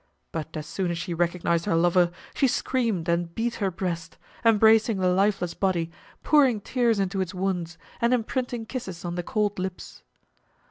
But as soon as she recognized her lover, she screamed and beat her breast, embracing the lifeless body, pouring tears into its wounds, and imprinting kisses on the cold lips.